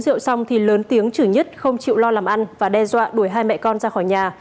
rượu xong thì lớn tiếng chủ nhất không chịu lo làm ăn và đe dọa đuổi hai mẹ con ra khỏi nhà